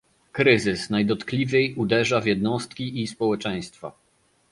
Kryzys najdotkliwiej uderza w jednostki i społeczeństwa